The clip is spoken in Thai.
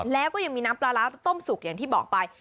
แล้วก็ยังมีน้ำปลาร้าต้มสุกอย่างที่บอกไป